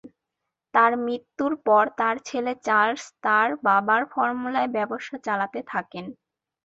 তার মৃত্যুর পর তার ছেলে চার্লস তার বাবার ফর্মুলায় ব্যবসা চালাতে থাকেন।